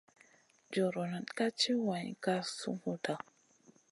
Joriona ka tchi wayn kam sunguda.